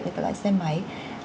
về các loại xe máy